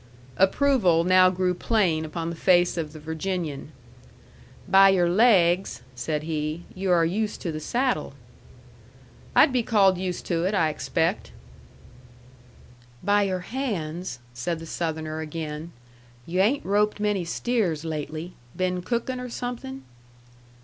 Approval now grew plain upon the face of the Virginian. "By your laigs," said he, "you are used to the saddle." "I'd be called used to it, I expect." "By your hands," said the Southerner, again, "you ain't roped many steers lately. Been cookin' or something?"